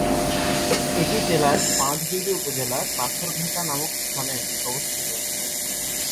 এটি জেলার পাঁচবিবি উপজেলার পাথরঘাটা নামক স্থানে অবস্থিত।